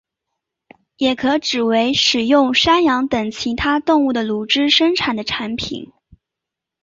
也可指为使用山羊等其他动物的乳汁生产的产品。